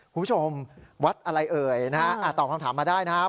คุณผู้ชมวัดอะไรเอ่ยนะฮะตอบคำถามมาได้นะครับ